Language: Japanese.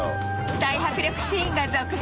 大迫力シーンが続々！